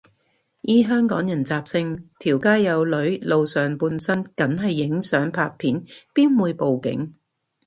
依香港人習性，條街有女露上半身梗係影相拍片，邊會報警